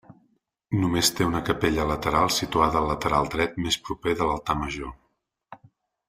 Només té una capella lateral situada al lateral dret més proper de l'altar major.